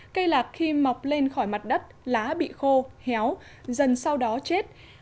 cây lạc khi mọc lên khỏi mặt đất lá bị khô héo dần sau đó chết